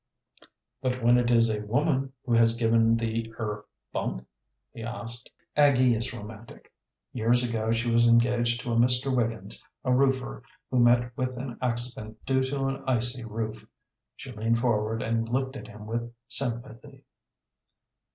"But when it is a woman who has given the er bump?" he asked. Aggie is romantic. Years ago she was engaged to a Mr. Wiggins, a roofer, who met with an accident due to an icy roof. She leaned forward and looked at him with sympathy.